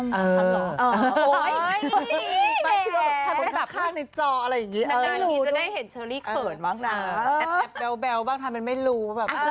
แอปแบ๊วบ้างทำให้ไม่รู้